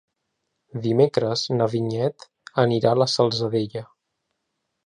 Dimecres na Vinyet anirà a la Salzadella.